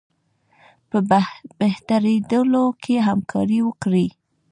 په بهترېدلو کې همکاري وکړي.